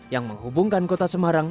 yang menghubungkan kota semarang